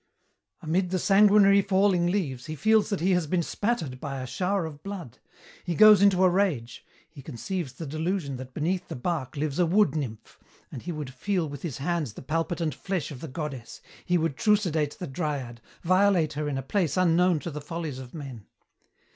"Amid the sanguinary falling leaves he feels that he has been spattered by a shower of blood. He goes into a rage. He conceives the delusion that beneath the bark lives a wood nymph, and he would feel with his hands the palpitant flesh of the goddess, he would trucidate the Dryad, violate her in a place unknown to the follies of men.